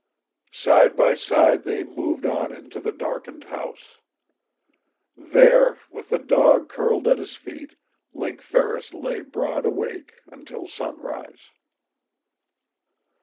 Side by side they moved on into the darkened house. There, with the dog curled at his feet, Link Ferris lay broad awake until sunrise.